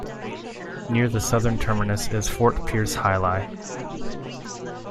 Near the southern terminus is Fort Pierce Jai-Alai.